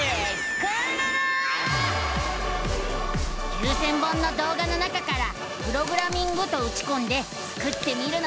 ９，０００本の動画の中から「プログラミング」とうちこんでスクってみるのさ！